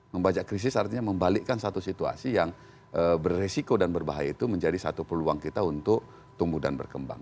membajak krisis artinya membalikkan satu situasi yang beresiko dan berbahaya itu menjadi satu peluang kita untuk tumbuh dan berkembang